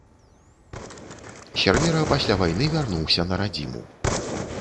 Сервера пасля вайны вярнуўся на радзіму.